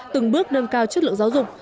từng bước nâng cao chất lượng giáo dục